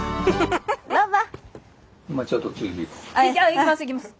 行きます行きます！